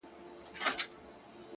د هغه ږغ زما د ساه خاوند دی-